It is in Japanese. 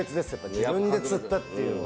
自分で釣ったっていうのが。